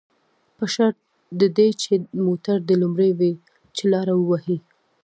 په شرط د دې چې موټر دې لومړی وي، چې لاره ووهي.